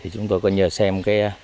chúng tôi có nhờ xem